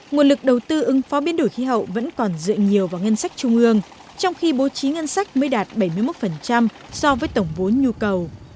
nguồn lực đầu tư ứng phó biến đổi khí hậu vẫn còn dựa nhiều vào ngân sách trung ương trong khi bố trí ngân sách mới đạt bảy mươi một so với tổng vốn nhu cầu